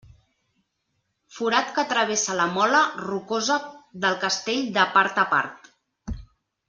Forat que travessa la mola rocosa del castell de part a part.